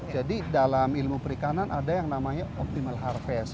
jadi dalam ilmu perikanan ada yang namanya optimal harvest